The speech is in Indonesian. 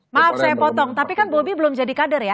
maaf saya potong tapi kan bobi belum jadi kader ya